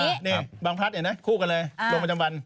นี่บางพลัดเนี่ยนะคู่กันเลยลงประจำวัน